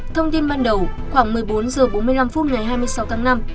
thông tin ban đầu khoảng một mươi bốn h bốn mươi năm phút ngày hai mươi sáu tháng năm